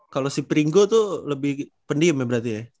kalo si pringo tuh lebih pendiem ya berarti ya